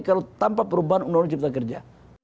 kalau tanpa perubahan undang undang cipta kerja